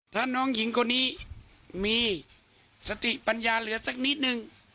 ถ้าน้องหญิงคนนี้มีสติปัญญาเหลือสักนิดนึง